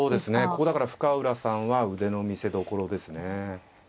ここだから深浦さんは腕の見せどころですね。